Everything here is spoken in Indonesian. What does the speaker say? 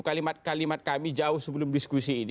kalimat kalimat kami jauh sebelum diskusi ini